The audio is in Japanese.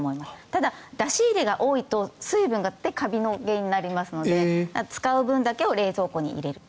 ただ、出し入れが多いと水分でカビの原因になりますので使う分だけを冷蔵庫に入れる。